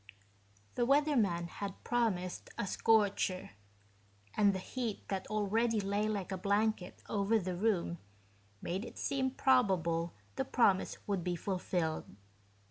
The weatherman had promised a scorcher, and the heat that already lay like a blanket over the room made it seem probable the promise would be fulfilled.